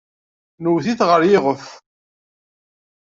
Nwet-it ɣer yiɣef.